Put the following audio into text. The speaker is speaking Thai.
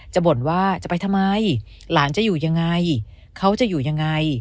บ่นว่าจะไปทำไมหลานจะอยู่ยังไงเขาจะอยู่ยังไง